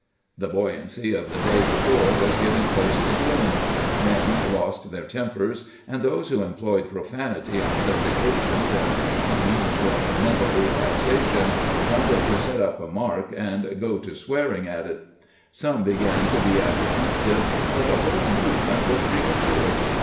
The buoyancy of the day before was giving place to gloom ; men lost their tempers, and those who employed profanity on such occasions as a means of mental relaxation wanted to set up a mark and go to swearing at it. Some began to be apprehen sive that the whole movement was premature.